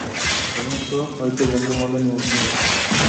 শশাঙ্ক হয়তো বন্ধুমহলে নিমন্ত্রণে গেছে।